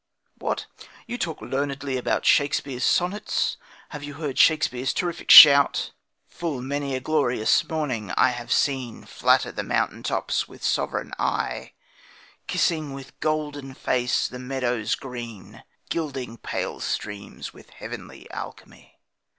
What! You talk learnedly about Shakespeare's sonnets! Have you heard Shakespeare's terrific shout: Full many a glorious morning have I seen Flatter the mountain tops with sovereign eye, Kissing with golden face the meadows green, Gilding pale streams with heavenly alchemy.